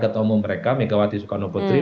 ketomong mereka megawati soekarno petri